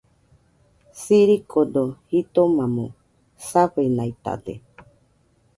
Sirikodo jitomamo safenaitade.